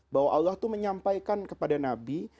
bahwa allah itu menyampaikan kepada nabi